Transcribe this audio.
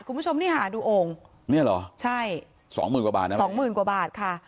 คุณผู้ชมนี่หาดูโอ่งเนี่ยเหรอใช่สองหมื่นกว่าบาทนะสองหมื่นกว่าบาทค่ะ